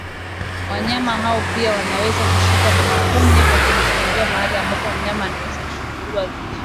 Wanyama hao pia wanaweza kushikwa na mapunye kwa kujisugulia mahali ambapo mnyama aliyeambukizwa alijisugulia